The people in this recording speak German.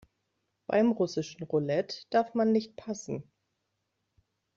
Beim russischen Roulette darf man nicht passen.